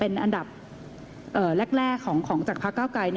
เป็นอันดับแรกแรกของจักรภักษ์เก้าไกล